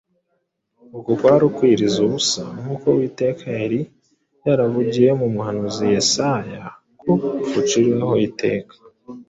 Uku kwari ukwiyiriza ubusa nk’uko Uwiteka yari yaravugiye mu muhanuzi Yesaya ko guciriweho iteka